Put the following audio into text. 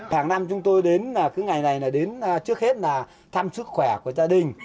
hàng năm chúng tôi đến cái ngày này là đến trước hết là thăm sức khỏe của gia đình